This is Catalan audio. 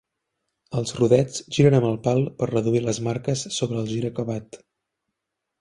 Els rodets giren amb el pal per reduir les marques sobre el gir acabat.